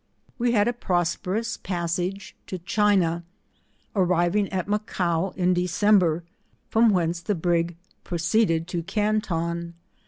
We had a prosperous passage to China, arriving at Macao in December, from whence the Brig pro ceeded to Canton.